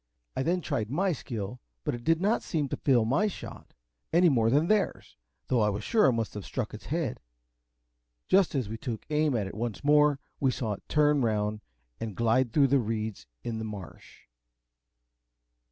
I then tried my skill, but it did not seem to feel my shot any more than theirs, though I was sure I must have struck its head. Just as we took aim at it once more, we saw it turn round and glide through the reeds in the marsh.